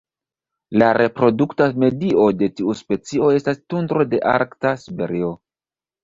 La reprodukta medio de tiu specio estas tundro de arkta Siberio.